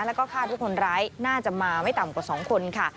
แล้วก็คาดว่าคนร้ายน่าจะมาไม่ต่ำกว่า๒คนค่ะ